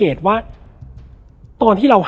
แล้วสักครั้งหนึ่งเขารู้สึกอึดอัดที่หน้าอก